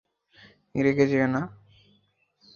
রেগে যেও না।